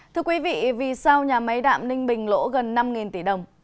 thưa quý vị vì sao nhà máy đạm ninh bình lỗ gần năm tỷ đồng